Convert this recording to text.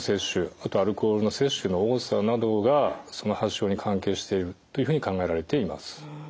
あとアルコールの摂取の多さなどがその発症に関係しているというふうに考えられています。